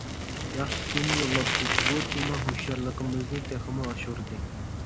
ياخشى تېما يوللاپسىز، بۇ تېما ھوشيارلىقىمىزنى تېخىمۇ ئاشۇردى.